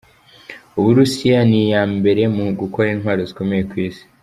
Ubu Russia ni iya mbere mu gukora intwaro zikomeye ku isi.